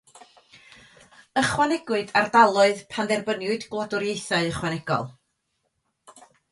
Ychwanegwyd ardaloedd pan dderbyniwyd Gwladwriaethau ychwanegol.